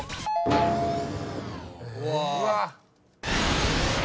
うわ。